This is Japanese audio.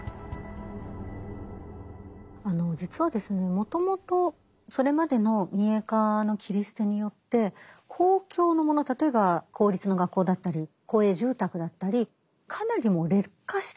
もともとそれまでの民営化の切り捨てによって公共のもの例えば公立の学校だったり公営住宅だったりかなりもう劣化してたんですね。